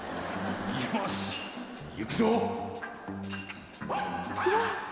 よし行くぞ！